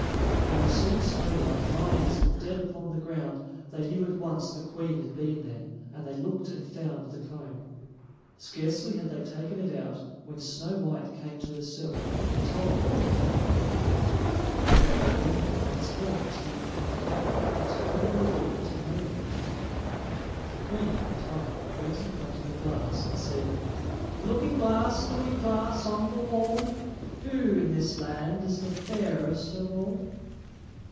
When they saw Snow white lying as if dead upon the ground, they knew at once the Queen had been there, and they looked and found the comb. Scarcely had they taken it out when Snow white came to herself, and told them what had happened. Then they warned her once more to be upon her guard and to open the door to no one. The Queen, at home, went in front of the Glass, and said: "Looking glass, Looking glass, on the wall, Who in this land is the fairest of all?"